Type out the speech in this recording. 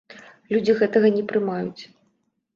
Людзі гэтага не прымаюць.